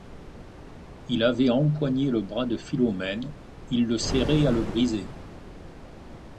Il avait empoigné le bras de Philomène, il le serrait à le briser.